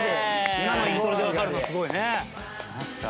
今のイントロでわかるのすごいね。